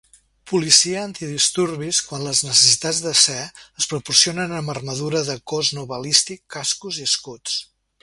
Policia antidisturbis, quan les necessitats de ser, es proporcionen amb armadura de cos no balístic, cascos i escuts.